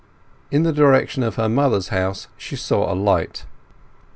In the direction of her mother's house she saw a light.